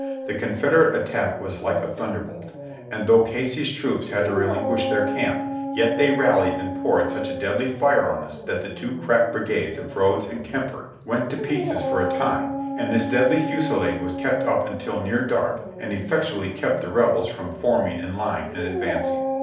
The Confederate attack was like a thunderbolt, and though Casey's troops had to relinquish their camp, yet they rallied and poured such a deadly fire on us that the two crack brigades of Rodes and Kemper went to pieces for a time, and this deadly fusilade was kept up until near dark and effectually kept the Rebels from forming in line and advancinir.